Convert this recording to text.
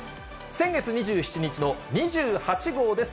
先月２７日の２８号です。